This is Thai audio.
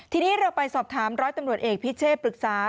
ทีนี้เราไปสอบถามร้อยตำรวจเอกพิเชษปรึกษา